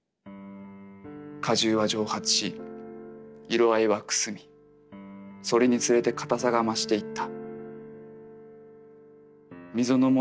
果汁は蒸発し色合いはくすみそれにつれて硬さが増していった」。